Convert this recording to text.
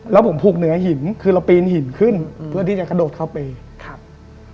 แล้วผมผูกเหนือหินคือเราปีนหินขึ้นอืมเพื่อที่จะกระโดดเข้าไปครับ